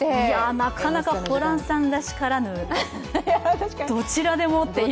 なかなかホランさんらしからぬどちらでもっていう。